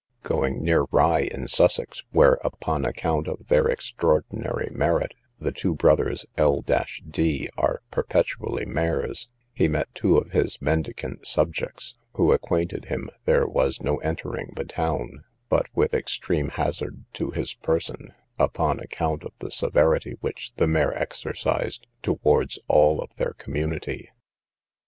Going near Rye, in Sussex, (where, upon account of their extraordinary merit, the two brothers L d are perpetually mayors,) he met two of his mendicant subjects, who acquainted him there was no entering the town, but with extreme hazard to his person, upon account of the severity which the mayor exercised towards all of their community.